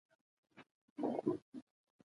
ښوونه او روزنه د ټولنې لپاره حیاتي ده.